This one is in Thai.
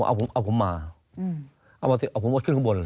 เอาผมเอาผมมาเอามาสิเอาผมว่าขึ้นข้างบน